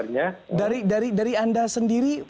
nah dari anda sendiri